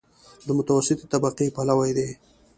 د متوسطې طبقې پلوی دی.